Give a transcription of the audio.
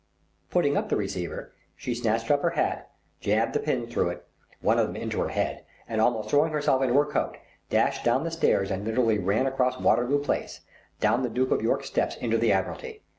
Putting up the receiver, she snatched up her hat, jabbed the pins through it, one of them into her head, and almost throwing herself into her coat, dashed down the stairs and literally ran across Waterloo Place, down the Duke of York's steps into the Admiralty.